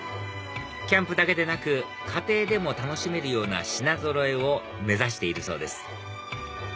キャンプだけでなく家庭でも楽しめるような品ぞろえを目指しているそうです